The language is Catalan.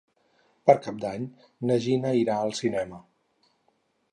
Per Cap d'Any na Gina irà al cinema.